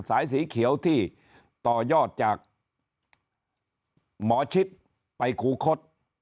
สายสีเขียวที่ต่อยอดจากหมอชิดไปคูคศ